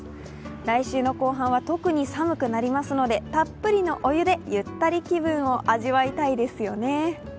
来週の後半は特に寒くなりますので、たっぷりのお湯でゆったり気分を味わいたいですよね。